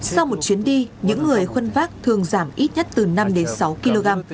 sau một chuyến đi những người khuân vác thường giảm ít nhất từ năm đến sáu kg